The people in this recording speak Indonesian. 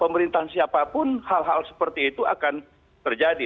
pemerintahan siapapun hal hal seperti itu akan terjadi